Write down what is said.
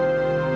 aku sudah lebih